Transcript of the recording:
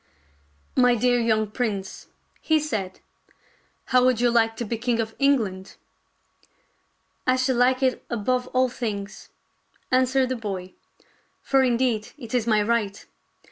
" My dear young prince," he said, " how would you like to be king of England .?"" I should like it above all things," answered the boy, "for indeed it is my right.